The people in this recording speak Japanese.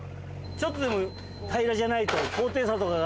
ちょっとでも平らじゃないと。